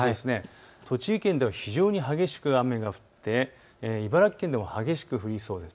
栃木県では非常に激しく雨が降って茨城県でも激しく降りそうです。